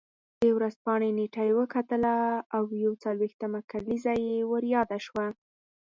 د ورځپاڼې نېټه یې وکتله او یو څلوېښتمه کلیزه یې ور یاده شوه.